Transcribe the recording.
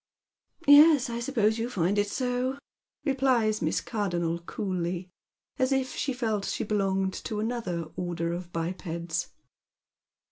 " Yes, I suppose you find it so," repUes Miss Cardonnel coolly, as if she felt tliat she belonged to another order of bipeds.